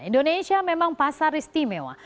indonesia memang pasar istimewa